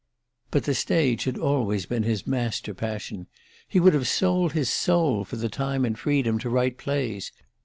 But the stage had always been his master passion. He would have sold his soul for the time and freedom to write plays!